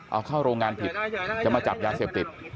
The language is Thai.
เอาเข้าโรงงานผิดจะมาจับยาเสพติด